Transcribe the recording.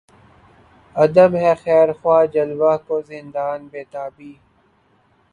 عدم ہے خیر خواہ جلوہ کو زندان بیتابی